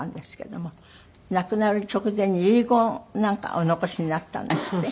亡くなる直前に遺言をなんかお残しになったんですって？